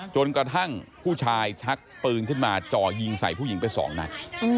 จนกระทั่งผู้ชายชักปืนขึ้นมาจ่อยิงใส่ผู้หญิงไปสองนัด